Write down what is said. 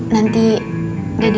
nanti aku akan beritahu